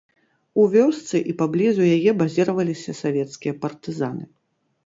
У вёсцы і паблізу яе базіраваліся савецкія партызаны.